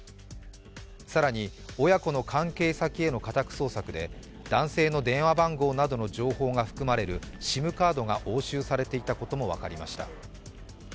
更に親子の関係先への家宅捜索で男性の電話番号などの情報が含まれるＳＩＭカードが押収されていたことも分かりました。